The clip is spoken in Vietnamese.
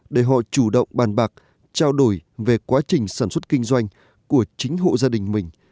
để họ chủ động bàn bạc trao đổi về quá trình sản xuất kinh doanh của chính hộ gia đình mình